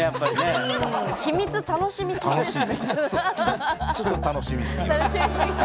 ちょっと楽しみすぎました。